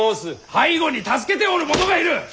背後に助けておる者がいる！